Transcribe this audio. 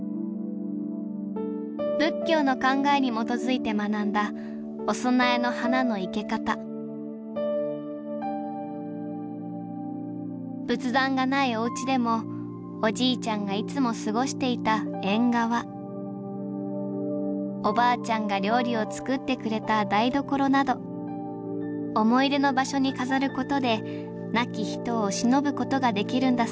仏教の考えに基づいて学んだお供えの花の生け方仏壇がないおうちでもおじいちゃんがいつも過ごしていた縁側おばあちゃんが料理を作ってくれた台所など思い出の場所に飾ることで亡き人をしのぶことができるんだそうです。